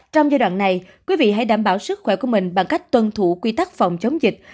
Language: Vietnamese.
trong giai đoạn này quý vị hãy đảm bảo sức khỏe của mình bằng cách tuân thủ quy tắc phòng chống dịch